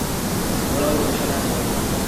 কোনও ঘোষণা নেই।